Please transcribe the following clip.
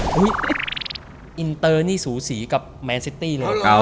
อุ้ยอินเตอร์นี่หูสีกับมัดซิตอี้เลย